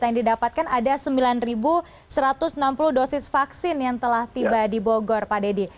yang didapatkan ada sembilan satu ratus enam puluh dosis vaksin yang telah tiba di bogor pak dedy